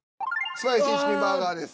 スパイシーチキンバーガーです。